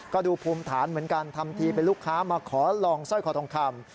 ก็ดูภูมิฐานเหมือนกันทำทีเป็นลูกค้ามาขอลองสร้อยคอทองคำ